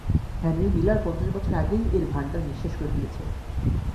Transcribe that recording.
Henry Miller পঞ্চাশ বছর আগেই এর ভাণ্ডার নিঃশেষ করে ফেলেছে।